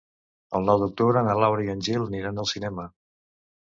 El nou d'octubre na Laura i en Gil aniran al cinema.